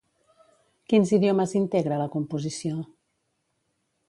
Quins idiomes integra la composició?